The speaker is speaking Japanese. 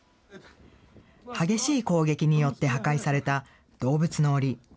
激しい攻撃によって破壊された動物のおり。